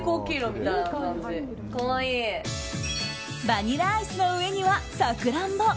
バニラアイスの上にはサクランボ。